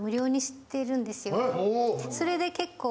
それで結構。